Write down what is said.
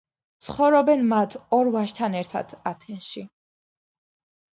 ცხოვრობენ მათ ორ ვაჟთან ერთად ათენში.